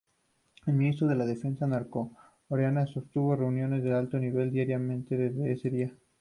El ministro de defensa norcoreano sostuvo reuniones de alto nivel diariamente desde ese día.